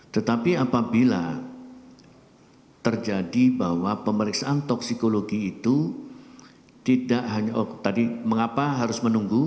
tetapi apabila terjadi bahwa pemeriksaan toksikologi itu tidak hanya tadi mengapa harus menunggu